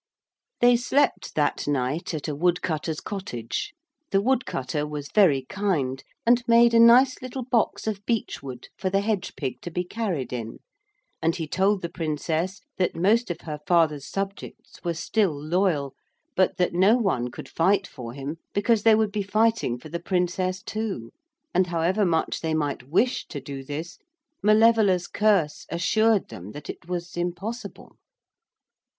They slept that night at a wood cutter's cottage. The wood cutter was very kind, and made a nice little box of beech wood for the hedge pig to be carried in, and he told the Princess that most of her father's subjects were still loyal, but that no one could fight for him because they would be fighting for the Princess too, and however much they might wish to do this, Malevola's curse assured them that it was impossible.